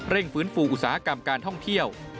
ฟื้นฟูอุตสาหกรรมการท่องเที่ยว